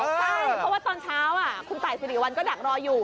ใช่เพราะว่าตอนเช้าคุณตายสิริวัลก็ดักรออยู่